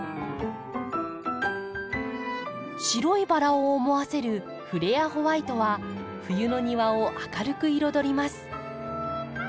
白いバラを思わせるフレアホワイトは冬の庭を明るく彩ります。